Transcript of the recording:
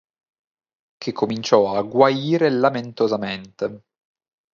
Che cominciò a guaire lamentosamente.